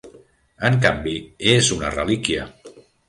En canvi, és una relíquia.